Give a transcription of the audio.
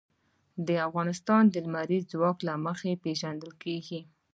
افغانستان د لمریز ځواک له مخې پېژندل کېږي.